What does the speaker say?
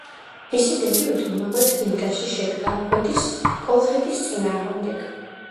მისი დებიუტი უმაღლეს ლიგაში შედგა ფოთის „კოლხეთის“ წინააღმდეგ.